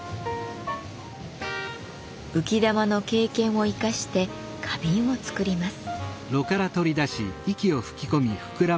浮き玉の経験を生かして花瓶を作ります。